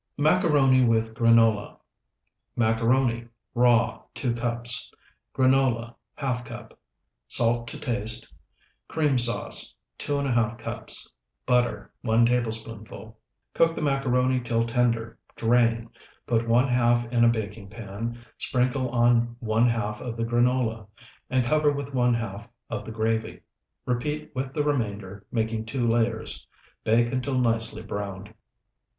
MACARONI WITH GRANOLA Macaroni, raw, 2 cups. Granola, ½ cup. Salt to taste. Cream sauce, 2½ cups. Butter, 1 tablespoonful. Cook the macaroni till tender; drain, put one half in a baking pan, sprinkle on one half of the granola, and cover with one half of the gravy. Repeat with the remainder, making two layers. Bake until nicely browned.